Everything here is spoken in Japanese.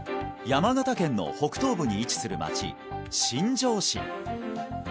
山形県の北東部に位置する街新庄市